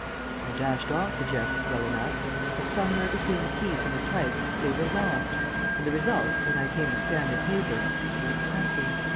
I dashed off the jests well enough, but somewhere between the keys and the types they were lost, and the results, when I came to scan the paper, were depressing.